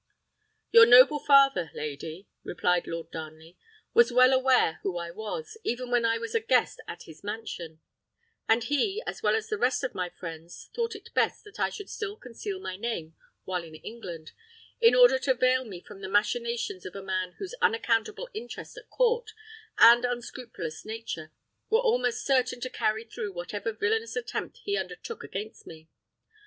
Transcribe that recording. "Your noble father, lady," replied Lord Darnley, "was well aware who I was, even when I was a guest at his mansion; and he, as well as the rest of my friends, thought it best that I should still conceal my name while in England, in order to veil me from the machinations of a man whose unaccountable interest at court, and unscrupulous nature, were almost certain to carry through whatever villanous attempt he undertook against me.